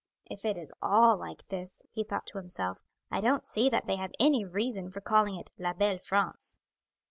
"If it is all like this," he thought to himself, "I don't see that they have any reason for calling it La belle France."